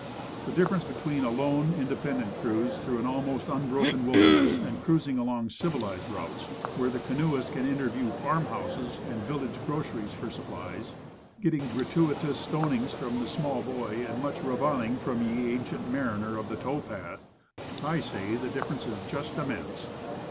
The difference between a lone, independent cruise through an almost unbroken wilderness, and cruising along civilized routes, where the canoeist can interview farm houses and village groceries for supplies, get ting gratuitous stonings from the small boy, and much reviling from ye ancient mariner of the towpath I say, the difference is just immense.